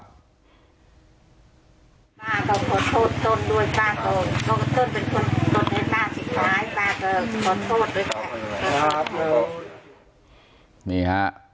ป้าก็ขอโทษต้นด้วยป้าก็ขอโทษต้นเป็นคนในหน้าผิดหลายป้าก็ขอโทษด้วย